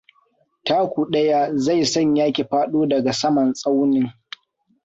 Taku ɗaya zai sanya ki faɗo daga saman tsaunin.